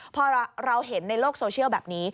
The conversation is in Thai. พอเราเห็นในโลกโซเชียลแบบนี้